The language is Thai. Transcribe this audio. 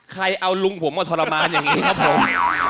ใครเอาลุงผมมาทรมานอย่างนี้ครับผม